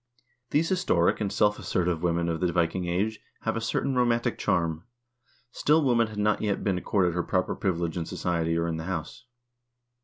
1 These heroic and self assertive women of the Viking Age have a certain romantic charm, still woman had not yet been accorded her proper privilege in society or in the home.